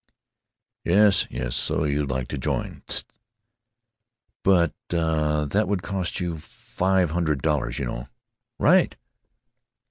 "Yes, yes, so you'd like to join. Tst. But that would cost you five hundred dollars, you know." "Right!"